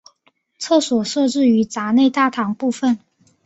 厕所设置于闸内大堂部分。